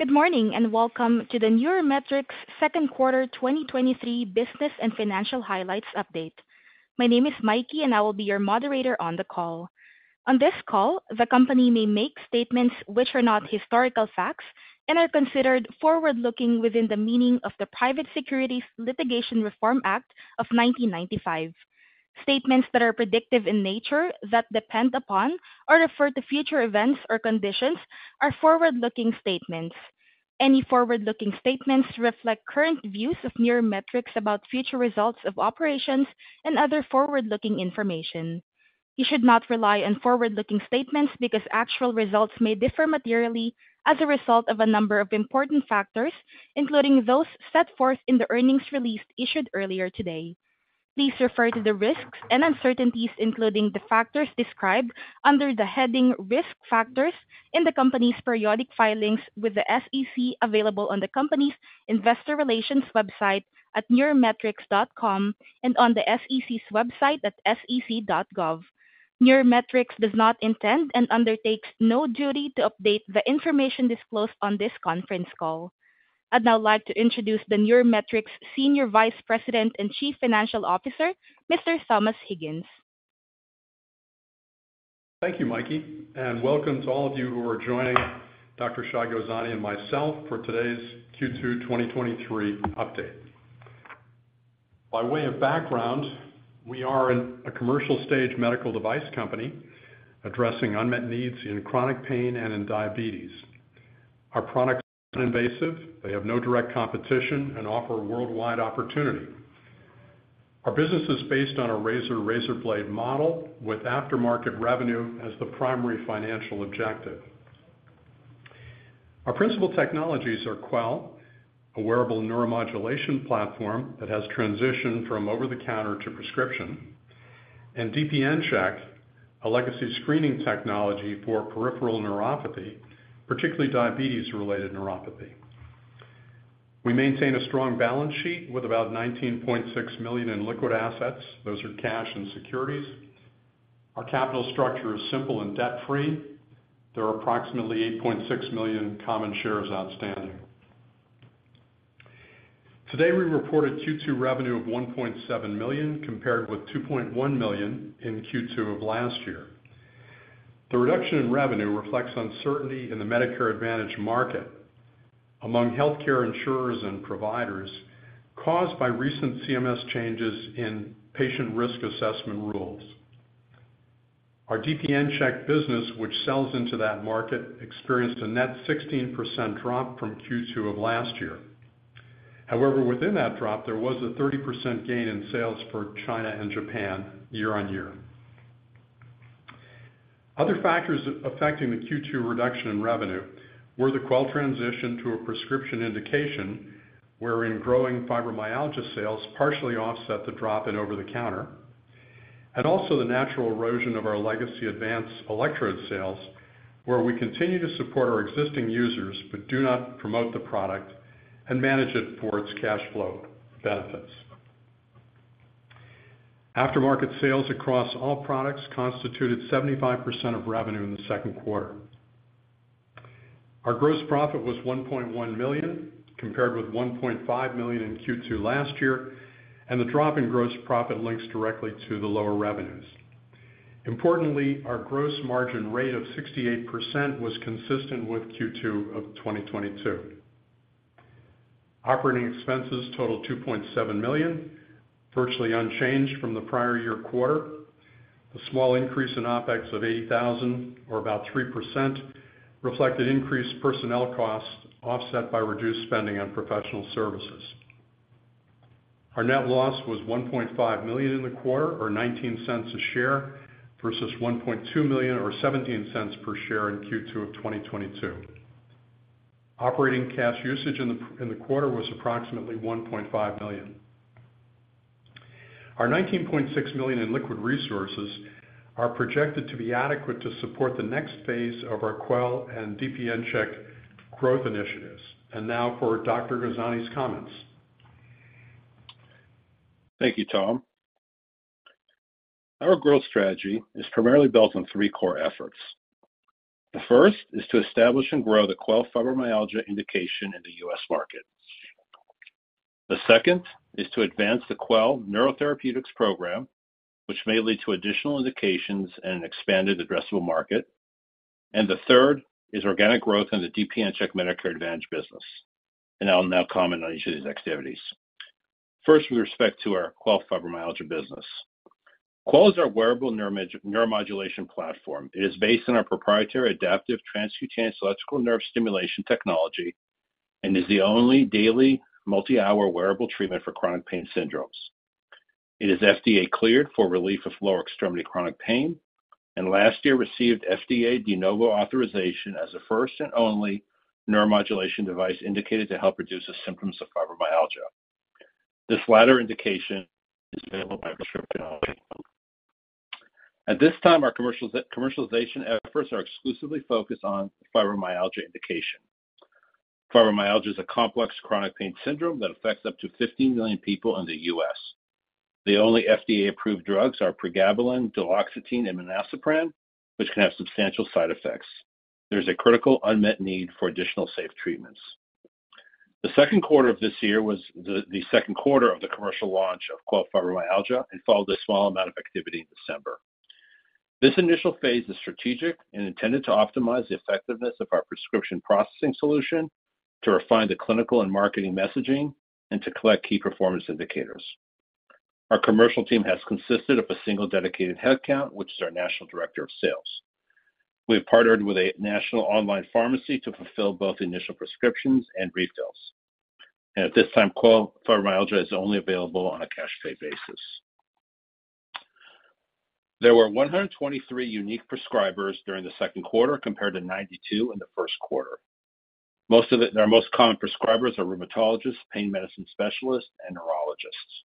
Good morning, and welcome to the NeuroMetrix 2nd quarter 2023 business and financial highlights update. My name is Mikey, and I will be your moderator on the call. On this call, the company may make statements which are not historical facts and are considered forward-looking within the meaning of the Private Securities Litigation Reform Act of 1995. Statements that are predictive in nature, that depend upon or refer to future events or conditions, are forward-looking statements. Any forward-looking statements reflect current views of NeuroMetrix about future results of operations and other forward-looking information. You should not rely on forward-looking statements because actual results may differ materially as a result of a number of important factors, including those set forth in the earnings release issued earlier today. Please refer to the risks and uncertainties, including the factors described under the heading Risk Factors in the company's periodic filings with the SEC, available on the company's investor relations website at neurometrix.com and on the SEC's website at sec.gov. NeuroMetrix does not intend and undertakes no duty to update the information disclosed on this conference call. I'd now like to introduce the NeuroMetrix Senior Vice President and Chief Financial Officer, Mr. Thomas Higgins. Thank you, Mikey, and welcome to all of you who are joining Dr. Shai Gozani and myself for today's Q2 2023 update. By way of background, we are in a commercial stage medical device company addressing unmet needs in chronic pain and in diabetes. Our products are non-invasive, they have no direct competition and offer worldwide opportunity. Our business is based on a razor blade model with aftermarket revenue as the primary financial objective. Our principal technologies are Quell, a wearable neuromodulation platform that has transitioned from over-the-counter to prescription, and DPNCheck, a legacy screening technology for peripheral neuropathy, particularly diabetes-related neuropathy. We maintain a strong balance sheet with about $19.6 million in liquid assets. Those are cash and securities. Our capital structure is simple and debt-free. There are approximately 8.6 million common shares outstanding. Today, we reported Q2 revenue of $1.7 million, compared with $2.1 million in Q2 of last year. The reduction in revenue reflects uncertainty in the Medicare Advantage market among healthcare insurers and providers, caused by recent CMS changes in patient risk assessment rules. Our DPNCheck business, which sells into that market, experienced a net 16% drop from Q2 of last year. Within that drop, there was a 30% gain in sales for China and Japan year-on-year. Other factors affecting the Q2 reduction in revenue were the Quell transition to a prescription indication, wherein growing fibromyalgia sales partially offset the drop in over-the-counter, and also the natural erosion of our legacy advanced electrode sales, where we continue to support our existing users, but do not promote the product and manage it for its cash flow benefits. Aftermarket sales across all products constituted 75% of revenue in the second quarter. Our gross profit was $1.1 million, compared with $1.5 million in Q2 last year, and the drop in gross profit links directly to the lower revenues. Importantly, our gross margin rate of 68% was consistent with Q2 of 2022. Operating expenses totaled $2.7 million, virtually unchanged from the prior year quarter. The small increase in OpEx of $80,000, or about 3%, reflected increased personnel costs, offset by reduced spending on professional services. Our net loss was $1.5 million in the quarter, or $0.19 a share, versus $1.2 million, or $0.17 per share in Q2 of 2022. Operating cash usage in the quarter was approximately $1.5 million. Our $19.6 million in liquid resources are projected to be adequate to support the next phase of our Quell and DPNCheck growth initiatives. Now for Dr. Gozani's comments. Thank you, Tom. Our growth strategy is primarily built on three core efforts. The first is to establish and grow the Quell Fibromyalgia indication in the U.S. market. The second is to advance the Quell Neurotherapeutics program, which may lead to additional indications and expanded addressable market. The third is organic growth on the DPNCheck Medicare Advantage business. I'll now comment on each of these activities. First, with respect to our Quell Fibromyalgia business. Quell is our wearable neuromodulation platform. It is based on our proprietary adaptive transcutaneous electrical nerve stimulation technology and is the only daily multi-hour wearable treatment for chronic pain syndromes. It is FDA-cleared for relief of lower extremity chronic pain, and last year received FDA De Novo authorization as the first and only neuromodulation device indicated to help reduce the symptoms of fibromyalgia. This latter indication is available by prescription only. At this time, our commercialization efforts are exclusively focused on fibromyalgia indication. Fibromyalgia is a complex chronic pain syndrome that affects up to 15 million people in the U.S. The only FDA-approved drugs are pregabalin, duloxetine, and milnacipran, which can have substantial side effects. There's a critical unmet need for additional safe treatments. The second quarter of this year was the second quarter of the commercial launch of Quell Fibromyalgia and followed a small amount of activity in December. This initial phase is strategic and intended to optimize the effectiveness of our prescription processing solution, to refine the clinical and marketing messaging, and to collect key performance indicators. Our commercial team has consisted of 1 dedicated head count, which is our national director of sales. We have partnered with a national online pharmacy to fulfill both initial prescriptions and refills, and at this time, Quell Fibromyalgia is only available on a cash pay basis. There were 123 unique prescribers during the second quarter, compared to 92 in the first quarter. Their most common prescribers are rheumatologists, pain medicine specialists, and neurologists.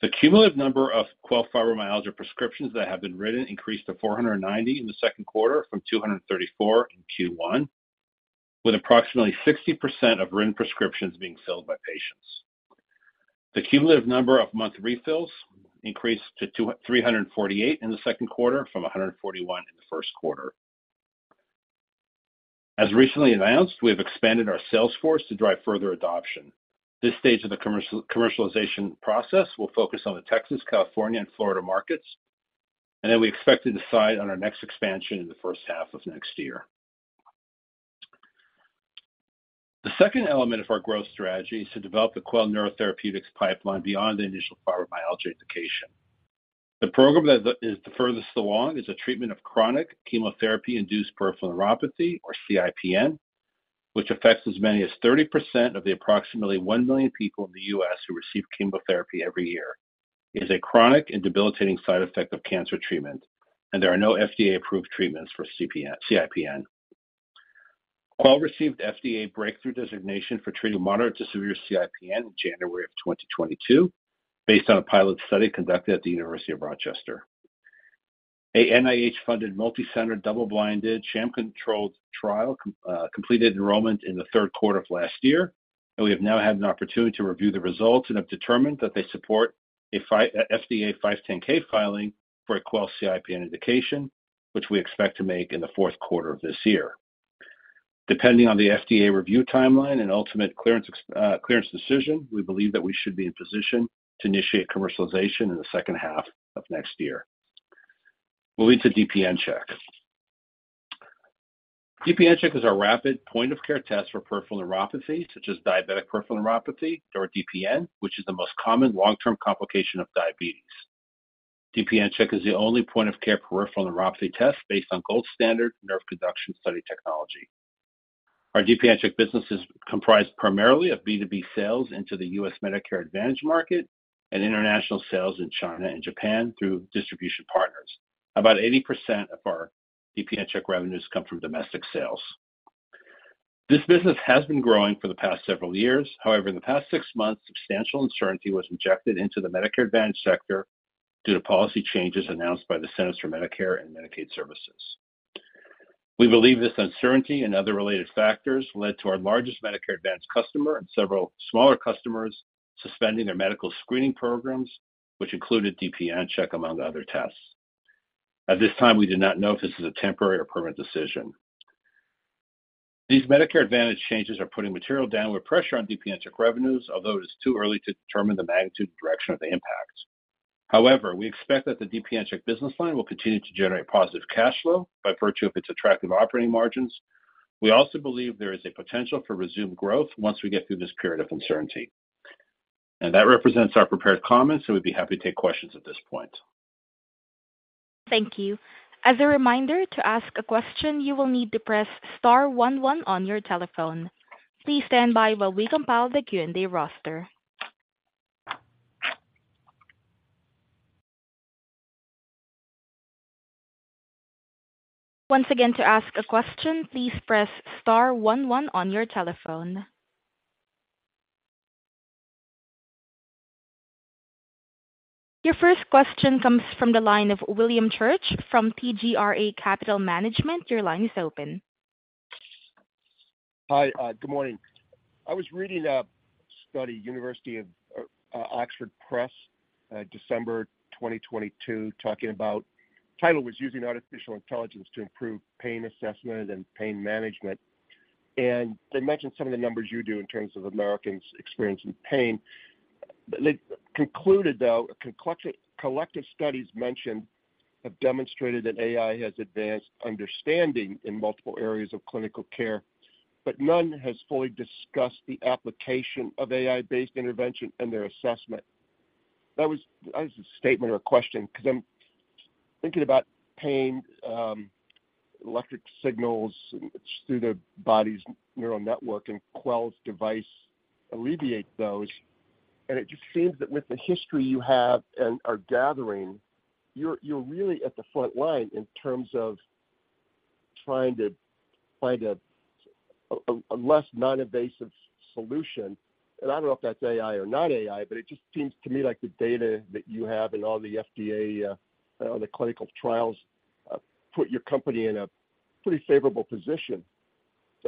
The cumulative number of Quell Fibromyalgia prescriptions that have been written increased to 490 in the second quarter from 234 in Q1, with approximately 60% of written prescriptions being filled by patients. The cumulative number of month refills increased to 348 in the second quarter from 141 in the first quarter. As recently announced, we have expanded our sales force to drive further adoption. This stage of the commercialization process will focus on the Texas, California, and Florida markets. We expect to decide on our next expansion in the first half of next year. The second element of our growth strategy is to develop the Quell Neurotherapeutics pipeline beyond the initial fibromyalgia indication. The program that is the furthest along is a treatment of chronic chemotherapy-induced peripheral neuropathy, or CIPN, which affects as many as 30% of the approximately 1 million people in the U.S. who receive chemotherapy every year. It is a chronic and debilitating side effect of cancer treatment. There are no FDA-approved treatments for CIPN. Quell received FDA Breakthrough Designation for treating moderate to severe CIPN in January of 2022, based on a pilot study conducted at the University of Rochester. A NIH-funded, multicenter, double-blinded, sham-controlled trial completed enrollment in the third quarter of last year, and we have now had an opportunity to review the results and have determined that they support an FDA 510(k) filing for a Quell CIPN indication, which we expect to make in the fourth quarter of this year. Depending on the FDA review timeline and ultimate clearance decision, we believe that we should be in position to initiate commercialization in the second half of next year. Moving to DPNCheck. DPNCheck is our rapid point-of-care test for peripheral neuropathy, such as diabetic peripheral neuropathy or DPN, which is the most common long-term complication of diabetes. DPNCheck is the only point-of-care peripheral neuropathy test based on gold standard nerve conduction study technology. Our DPNCheck business is comprised primarily of B2B sales into the U.S. Medicare Advantage market and international sales in China and Japan through distribution partners. About 80% of our DPNCheck revenues come from domestic sales. This business has been growing for the past several years. However, in the past six months, substantial uncertainty was injected into the Medicare Advantage sector due to policy changes announced by the Centers for Medicare & Medicaid Services. We believe this uncertainty and other related factors led to our largest Medicare Advantage customer and several smaller customers suspending their medical screening programs, which included DPNCheck, among other tests. At this time, we do not know if this is a temporary or permanent decision. These Medicare Advantage changes are putting material downward pressure on DPNCheck revenues, although it is too early to determine the magnitude and direction of the impact. We expect that the DPNCheck business line will continue to generate positive cash flow by virtue of its attractive operating margins. We also believe there is a potential for resumed growth once we get through this period of uncertainty. That represents our prepared comments, and we'd be happy to take questions at this point. Thank you. As a reminder, to ask a question, you will need to press star one one on your telephone. Please stand by while we compile the Q&A roster. Once again, to ask a question, please press star one one on your telephone. Your first question comes from the line of William Church from TGRA Capital Management. Your line is open. Hi, good morning. I was reading a study, Oxford University Press, December 2022, talking about... Title was: Using Artificial Intelligence to Improve Pain Assessment and Pain Management. They mentioned some of the numbers you do in terms of Americans experiencing pain. They concluded, though, collective studies mentioned, have demonstrated that AI has advanced understanding in multiple areas of clinical care, but none has fully discussed the application of AI-based intervention and their assessment. That was a statement or a question? Because I'm thinking about pain, electric signals through the body's neural network and Quell's device alleviate those, and it just seems that with the history you have and are gathering, you're really at the front line in terms of trying to find a less non-invasive solution. I don't know if that's AI or not AI, but it just seems to me like the data that you have and all the FDA, all the clinical trials, put your company in a pretty favorable position.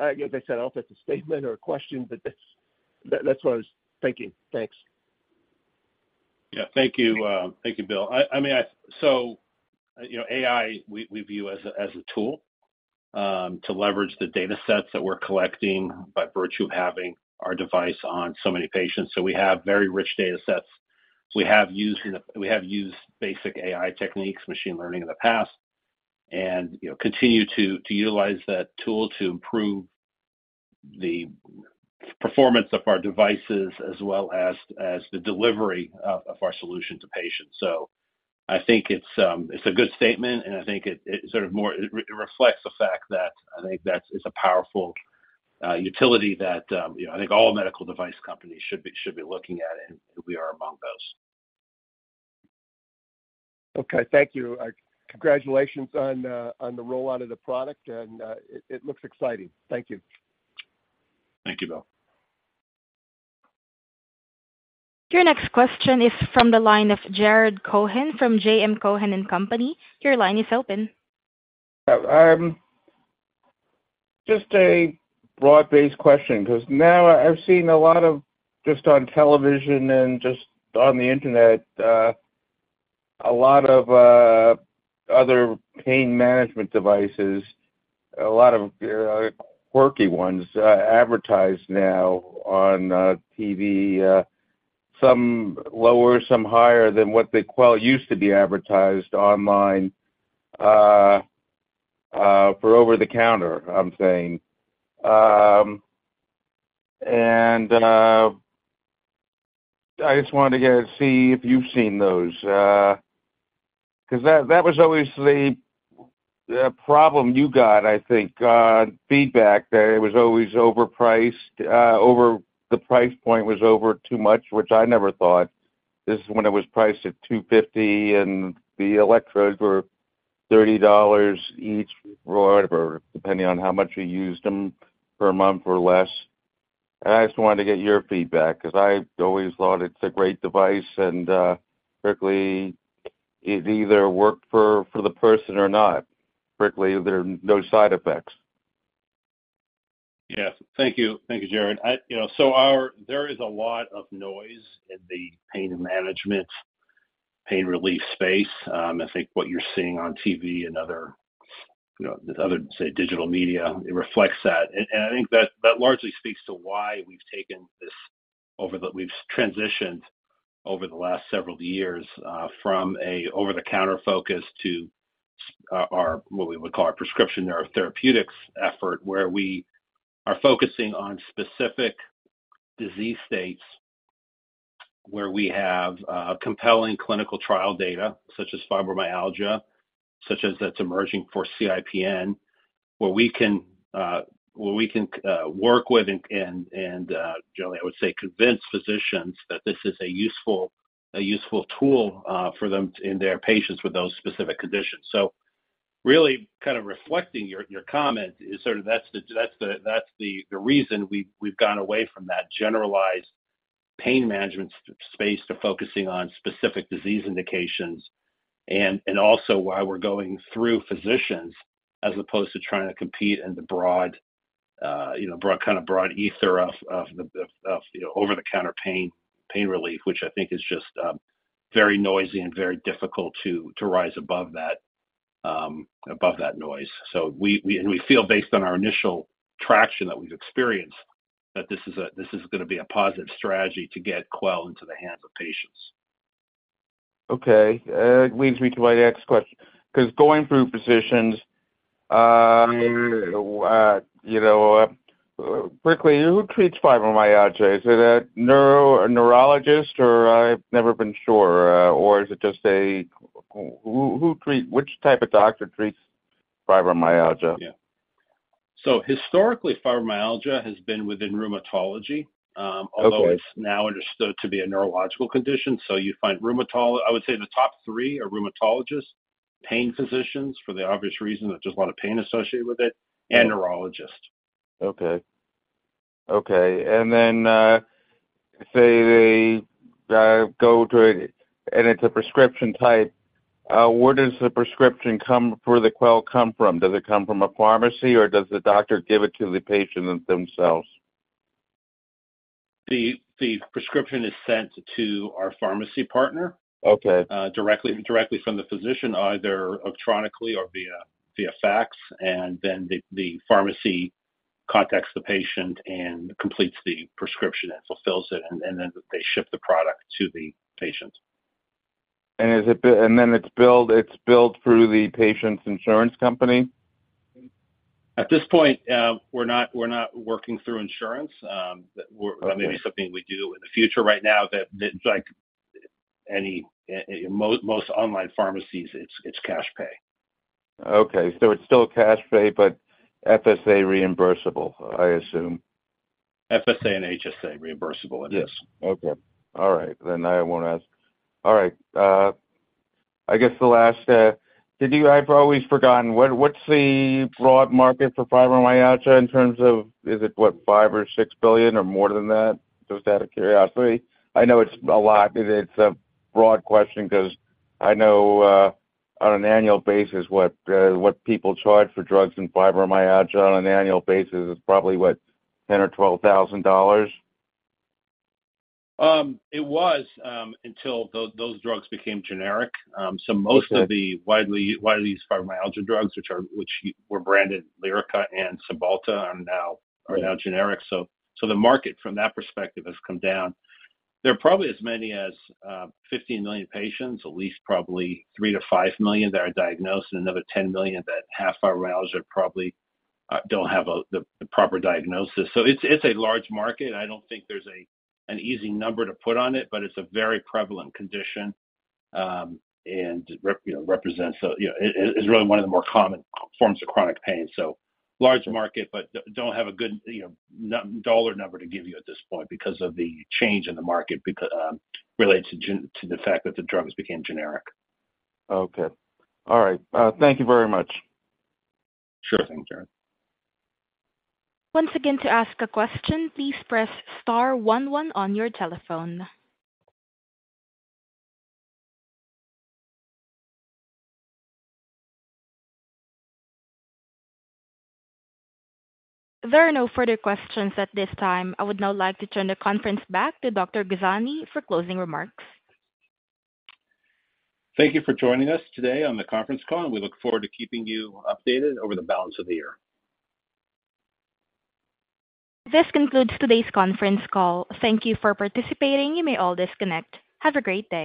I, as I said, I don't know if it's a statement or a question, but that's what I was thinking. Thanks. Yeah. Thank you, thank you, Will. I mean, you know, AI, we view as a tool to leverage the data sets that we're collecting by virtue of having our device on so many patients. We have very rich data sets. We have used basic AI techniques, machine learning, in the past, and, you know, continue to utilize that tool to improve the performance of our devices as well as the delivery of our solution to patients. I think it's a good statement, and I think it sort of more. It reflects the fact that I think that's a powerful utility that, you know, I think all medical device companies should be looking at, and we are among those. Okay. Thank you. Congratulations on the rollout of the product, and it looks exciting. Thank you. Thank you, Will. Your next question is from the line of Jarrod Cohen from J.M. Cohen & Co. Your line is open. Just a broad-based question, 'cause now I've seen a lot of, just on television and just on the internet, a lot of other pain management devices, a lot of quirky ones, advertised now on TV, some lower, some higher than what the Quell used to be advertised online, for over-the-counter, I'm saying. I just wanted to get, see if you've seen those, 'cause that was obviously a problem you got, I think. Feedback there, it was always overpriced, the price point was over too much, which I never thought. This is when it was priced at $250, the electrodes were $30 each or whatever, depending on how much you used them per month or less. I just wanted to get your feedback 'cause I've always thought it's a great device, and frankly, it either worked for the person or not. Frankly, there are no side effects. Yeah. Thank you. Thank you, Jarrod. I, you know, there is a lot of noise in the pain management, pain relief space. I think what you're seeing on TV and other, you know, other, say, digital media, it reflects that. I think that largely speaks to why we've transitioned over the last several years, from a over-the-counter focus to our, what we would call our prescription therapeutics effort, where we are focusing on specific disease states, where we have compelling clinical trial data, such as fibromyalgia, such as that's emerging for CIPN, where we can work with and generally, I would say, convince physicians that this is a useful tool for them in their patients with those specific conditions. Really kind of reflecting your comment is sort of that's the reason we've gone away from that generalized pain management space to focusing on specific disease indications. Also why we're going through physicians as opposed to trying to compete in the broad, you know, broad ether of, you know, over-the-counter pain relief, which I think is just very noisy and very difficult to rise above that above that noise. We feel based on our initial traction that we've experienced, that this is gonna be a positive strategy to get Quell into the hands of patients. Okay, it leads me to my next question, 'cause going through physicians, you know, quickly, who treats fibromyalgia? Is it a neuro, a neurologist, or I've never been sure? Which type of doctor treats fibromyalgia? Yeah. historically, fibromyalgia has been within rheumatology- Okay. Although it's now understood to be a neurological condition, so you find I would say the top three are rheumatologists, pain physicians, for the obvious reason, that there's a lot of pain associated with it, and neurologists. Okay. Okay, then, say they, go to it, and it's a prescription type, where does the prescription come, for the Quell come from? Does it come from a pharmacy, or does the doctor give it to the patient themselves? The prescription is sent to our pharmacy partner. Okay. Directly from the physician, either electronically or via fax, and then the pharmacy contacts the patient and completes the prescription and fulfills it, and then they ship the product to the patient. Then it's billed through the patient's insurance company? At this point, we're not working through insurance. That may be something we do in the future. Right now, like any, most online pharmacies, it's cash pay. Okay, it's still cash pay, but FSA reimbursable, I assume. FSA and HSA reimbursable, it is. Okay. All right, I won't ask. All right, I guess the last, I've always forgotten. What's the broad market for fibromyalgia in terms of, is it, what, $5 billion-$6 billion or more than that? Just out of curiosity. I know it's a lot. It's a broad question 'cause I know, on an annual basis, what people charge for drugs and fibromyalgia on an annual basis is probably, what, $10,000-$12,000? It was until those drugs became generic. Most of the widely used fibromyalgia drugs, which were branded Lyrica and Cymbalta, are now generic. The market, from that perspective, has come down. There are probably as many as 15 million patients, at least probably 3 million-5 million that are diagnosed, and another 10 million that have fibromyalgia, probably, don't have the proper diagnosis. It's a large market. I don't think there's an easy number to put on it, but it's a very prevalent condition, and you know, represents You know, it's really one of the more common forms of chronic pain. large market, but don't have a good, you know, dollar number to give you at this point because of the change in the market, related to the fact that the drugs became generic. Okay. All right. Thank you very much. Sure thing, Jarrod. Once again, to ask a question, please press star one one on your telephone. There are no further questions at this time. I would now like to turn the conference back to Dr. Gozani for closing remarks. Thank you for joining us today on the conference call. We look forward to keeping you updated over the balance of the year. This concludes today's conference call. Thank you for participating. You may all disconnect. Have a great day.